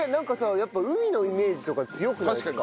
やっぱ海のイメージとか強くないですか？